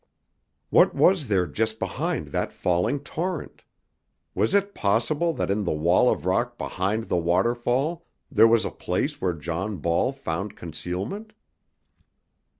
What was there just behind that falling torrent? Was it possible that in the wall of rock behind the waterfall there was a place where John Ball found concealment?